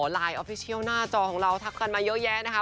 ไลน์ออฟฟิเชียลหน้าจอของเราทักกันมาเยอะแยะนะคะ